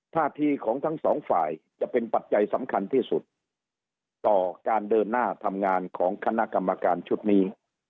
ท่าทีของทั้งสองฝ่ายจะเป็นปัจจัยสำคัญที่สุดต่อการเดินหน้าทำงานของคณะกรรมการชุดนี้